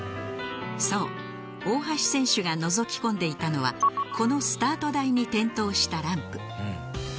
そう大橋選手がのぞき込んでいたのはこのスタート台に点灯したランプ